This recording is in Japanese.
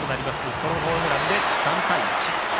ソロホームランで３対１。